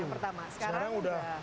yang pertama sekarang udah